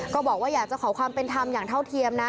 ก็บอกว่าอยากจะขอความเป็นธรรมอย่างเท่าเทียมนะ